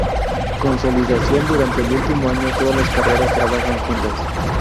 Consolidación- Durante el último año todas las carreras trabajan juntas.